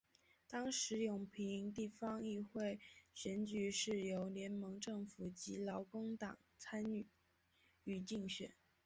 当时永平地方议会选举是由联盟政府及劳工党参与竞选。